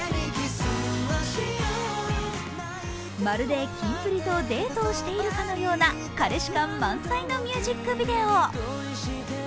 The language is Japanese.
まるでキンプリとデートをしているかのような彼氏感満載のミュージックビデオ。